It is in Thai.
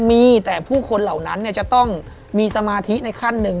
มีแต่ผู้คนเหล่านั้นจะต้องมีสมาธิในขั้นหนึ่ง